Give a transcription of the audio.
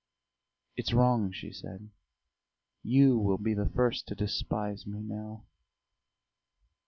"It's wrong," she said. "You will be the first to despise me now."